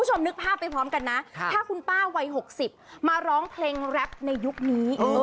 นึกภาพไปพร้อมกันนะถ้าคุณป้าวัย๖๐มาร้องเพลงแรปในยุคนี้